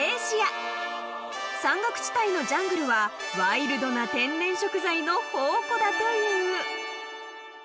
［山岳地帯のジャングルはワイルドな天然食材の宝庫だという］